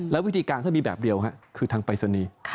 และวิธีการถ้ามีแบบเดียวค่ะคือทางปริศนี